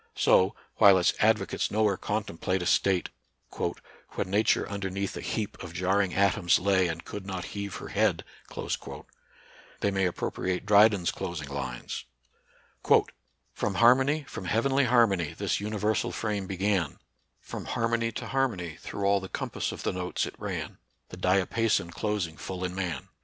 So while its advocates nowhere contemplate a state " When Nature underneath a heap, Of jarring atoms lay, And could not heave her head," they may appropriate Dryden's closing lines, — 56 NATURAL SCIENCE AND RELIGION. " From harmony, from heavenly harmony, This universal frame began, From harmony to harmony Through all the compass of the notes it ran, The diapason closing full in man."